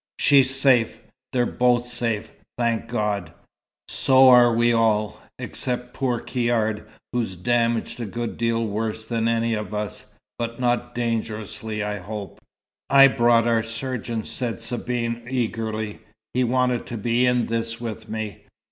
"She's safe. They're both safe, thank God. So are we all, except poor Caird, who's damaged a good deal worse than any of us. But not dangerously, I hope." "I brought our surgeon," said Sabine, eagerly. "He wanted to be in this with me.